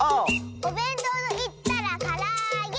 「おべんとうといったらからあげ！」